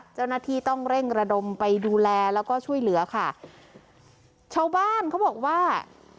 เจ้าหน้าที่ต้องเร่งระดมไปดูแลแล้วก็ช่วยเหลือค่ะชาวบ้านเขาบอกว่า